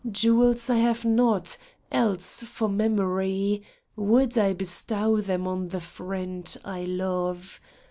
Jewels I have not, else for memory Would I bestow them on the friend I love.